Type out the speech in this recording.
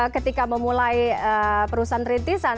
ketika memulai perusahaan rintisan